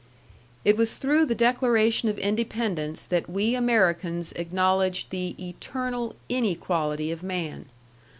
It was through the Declaration of Independence that we Americans acknowledged the ETERNAL INEQUALITY of man.